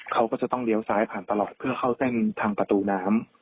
เขาก็จะต้องเลี้ยวซ้ายผ่านตลอดเพื่อเข้าเส้นทางประตูน้ำ